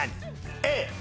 Ａ。